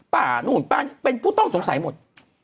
นู่นป้านี่เป็นผู้ต้องสงสัยหมด